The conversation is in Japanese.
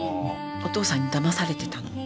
お父さんにだまされてたの。